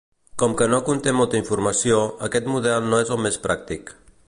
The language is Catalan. Com que no conté molta informació, aquest model no és el més pràctic.